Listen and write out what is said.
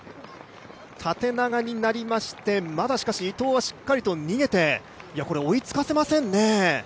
縦長になりまして、まだ伊藤はしっかりと逃げて追いつかせませんね。